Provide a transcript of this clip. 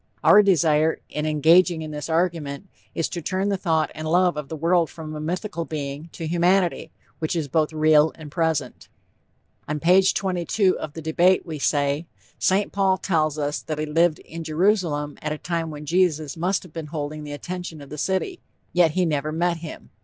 Our desire, in engaging in this argument, is to turn the thought and love of the world from a mythical being, to humanity, which is both real and present. On page 22 of The Debate, we say: "St. Paul tells us that he lived in Jerusalem at a time when Jesus must have been holding the attention of the city; yet he never met him."